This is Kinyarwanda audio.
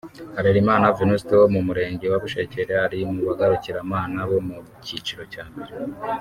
Harerimana Venuste wo mu Murenge wa Bushekeri ari mu bagarukiramana bo mu cyiciro cya mbere